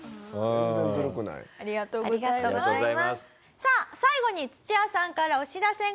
さあ最後に土屋さんからお知らせがあります。